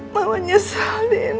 mama nyesel andin